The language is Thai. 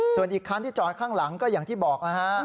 ส่วนอีกคันที่จอดข้างหลังก็อย่างที่บอกนะฮะ